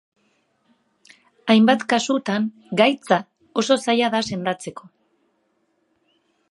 Hainbat kasutan gaitza oso zaila da sendatzeko.